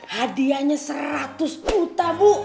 hadiahnya seratus juta bu